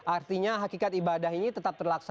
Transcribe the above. artinya hakikat ibadah ini tetap terlaksana